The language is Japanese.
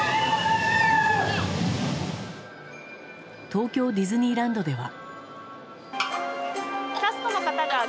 東京ディズニーランドでは。